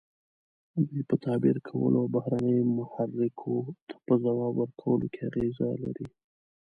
دوی په تعبیر کولو او بهرنیو محرکو ته په ځواب ورکولو کې اغیزه لري.